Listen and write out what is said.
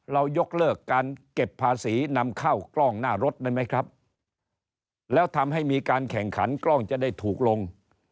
ยกเลิกการเก็บภาษีนำเข้ากล้องหน้ารถได้ไหมครับแล้วทำให้มีการแข่งขันกล้องจะได้ถูกลง